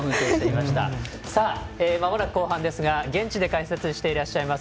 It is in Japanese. まもなく後半ですが現地で解説していらっしゃいます